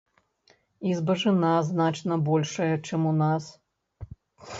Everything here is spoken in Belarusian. І збажына значна большая, чым у нас.